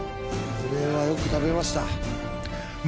これはよく食べました。